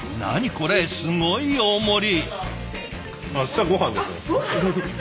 これすごい大盛り。